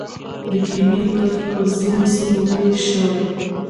د کیوي کښت په ځینو سیمو کې شوی.